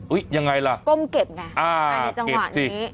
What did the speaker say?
ยังไงล่ะก้มเก็บไงอ่าในจังหวะนี้